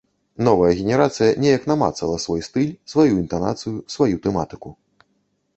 Новая генерацыя неяк намацала свой стыль, сваю інтанацыю, сваю тэматыку.